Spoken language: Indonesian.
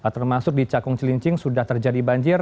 termasuk di cakung cilincing sudah terjadi banjir